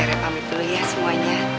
rere pamit dulu ya semuanya